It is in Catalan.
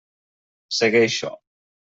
Segueixo.